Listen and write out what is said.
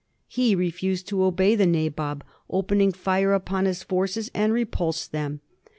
He refused to obey the Nabob, opened fire upon his forces, and repulsed them.